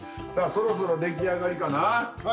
さあそろそろ出来上がりかな？